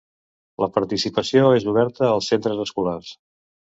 La participació és oberta als centres escolars.